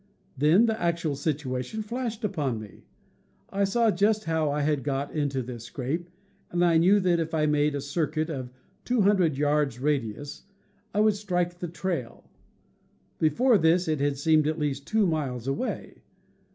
Then the actual situation flashed upon me. I saw just how I had got into this scrape, and knew that GETTING LOST— BIVOUACS 209 if I made a circuit of 200 yards radius I would strike the trail. Before this it had seemed at least two miles away.